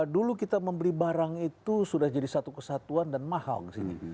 dulu kita membeli barang itu sudah jadi satu kesatuan dan mahal ke sini